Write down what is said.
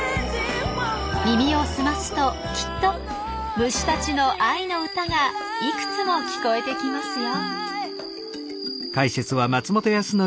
耳を澄ますときっと虫たちの愛の歌がいくつも聞こえてきますよ。